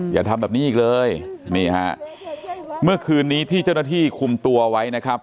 อย่าทำแบบนี้อีกเลยนี่ฮะเมื่อคืนนี้ที่เจ้าหน้าที่คุมตัวไว้นะครับ